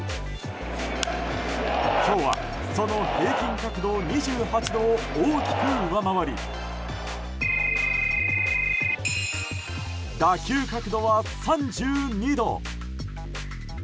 今日は、その平均角度２８度を大きく上回り打球角度は３２度。